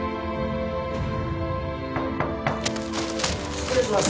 失礼します。